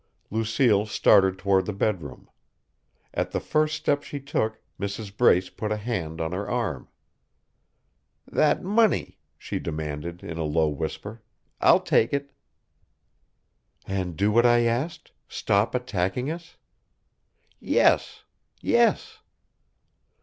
Lucille started toward the bedroom. At the first step she took, Mrs. Brace put a hand on her arm. "That money!" she demanded, in a low whisper. "I'll take it." "And do what I asked stop attacking us?" "Yes. Yes!"